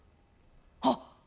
はっ！